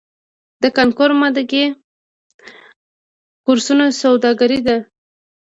د کانکور امادګۍ کورسونه سوداګري ده؟